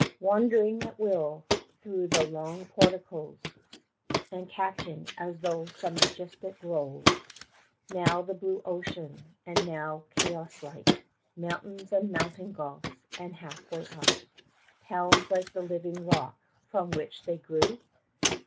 Wandering at will through the long porticoes, And catching, as through some majestic grove, 30 Now the blue ocean, and now, chaos like, Mountains and mountain gulfs, and, half way up, Towns like the living rock from which they grew?